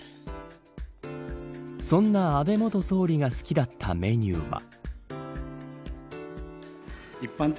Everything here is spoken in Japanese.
そんな安倍元総理が好きだったメニューは。